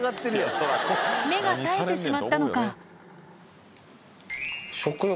目がさえてしまったのか食欲